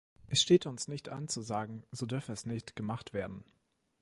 Es steht uns nicht an zu sagen, so dürfe es nicht gemacht werden.